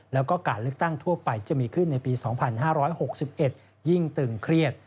แล้วก็การเลือกตั้งทั่วไปจะมีขึ้นในปี๒๕๖๑ยิ่งตึงเครียด